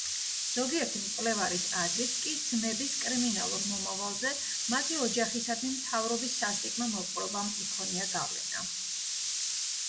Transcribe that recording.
ზოგიერთი მკვლევარის აზრით კი ძმების კრიმინალურ მომავალზე მათი ოჯახისადმი მთავრობის სასტიკმა მოპყრობამ იქონია გავლენა.